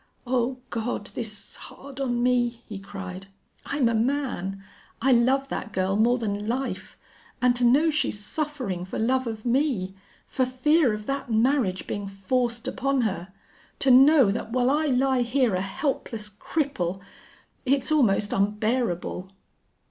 "Oh God! this's hard on me!" he cried. "I'm a man. I love that girl more than life. And to know she's suffering for love of me for fear of that marriage being forced upon her to know that while I lie here a helpless cripple it's almost unbearable."